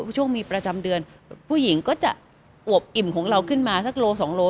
ช่วงมีประจำเดือนผู้หญิงก็จะอวบอิ่มของเราขึ้นมาสักโล๒โล